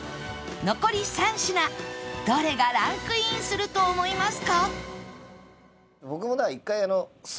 残り３品どれがランクインすると思いますか？